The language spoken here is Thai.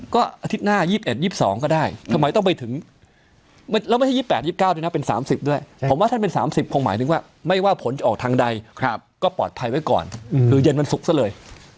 ก็ปลอดภัยไว้ก่อนหรือเย็นวันสุขซะเลย